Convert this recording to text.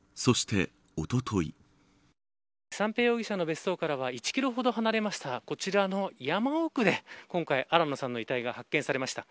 三瓶容疑者の別荘からは１キロほど離れましたこちらの山奥で今回、新野さんの遺体が発見されました。